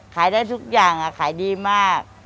ขายได้ทุกอย่างขายดีมาก